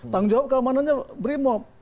tanggung jawab keamanannya brimob